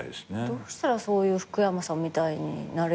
どうしたらそういう福山さんみたいになれるんですか？